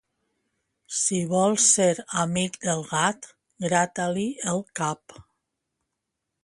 Si vols ser amic del gat, grata-li el cap.